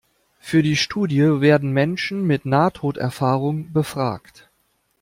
Für die Studie werden Menschen mit Nahtoderfahrung befragt.